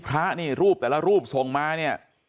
พระนี่รูปแต่ละรูปส่งมาเนี่ย